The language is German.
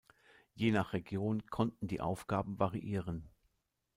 Je nach Region konnten die Aufgaben variieren.